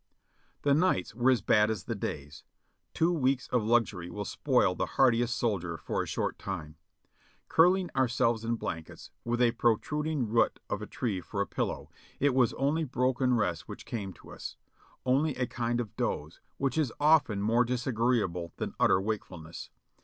The nights were as bad as the days. Two weeks of luxury will spoil the hardiest soldier for a short time. Curling ourselves in blankets, with a protruding root of a tree for a pillow, it was only broken rest which came to us — only a kind of doze, which is often more disagreeable than utter wakefulness.